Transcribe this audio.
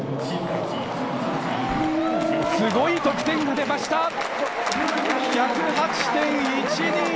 すごい得点が出ました。